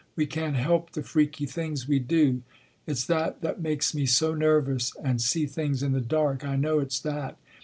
We can t help the freaky things we do. It s that that makes me so nervous and see things in the dark, I know it s that.